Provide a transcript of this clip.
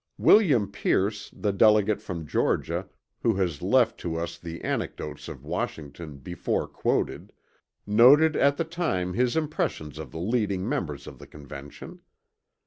William Pierce the delegate from Georgia who has left to us the anecdote of Washington before quoted (p. 230) noted at the time his impressions of the leading members of the Convention.